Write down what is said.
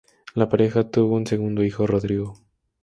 La pareja tuvo un segundo hijo: Rodrigo.